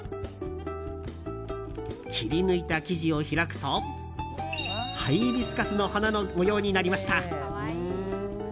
切り抜いた生地を開くとハイビスカスの花の模様になりました。